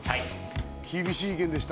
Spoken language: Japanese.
厳しい意見でした。